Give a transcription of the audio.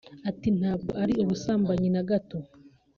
Ati “Ntabwo ari ubusambanyi na gato